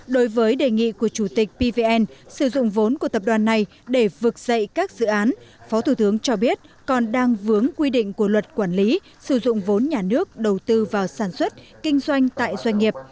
đối với đề nghị của chủ tịch pvn sử dụng vốn của tập đoàn này để vực dậy các dự án phó thủ tướng cho biết còn đang vướng quy định của luật quản lý sử dụng vốn nhà nước đầu tư vào sản xuất kinh doanh tại doanh nghiệp